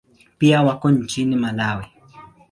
Pia wako nchini Malawi.